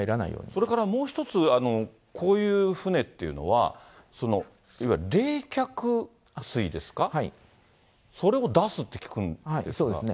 それからもう一つ、こういう船っていうのは、いわゆる冷却水ですか、それを出すって聞くんですが。